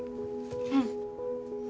うん。